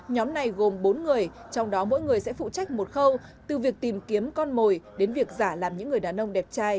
nhóm này gồm bốn người trong đó mỗi người sẽ phụ trách một khâu từ việc tìm kiếm con mồi đến việc giả làm những người đàn ông đẹp trai